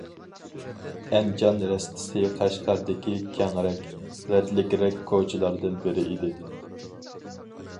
ئەنجان رەستىسى قەشقەردىكى كەڭرەك، رەتلىكرەك كوچىلاردىن بىرى ئىدى.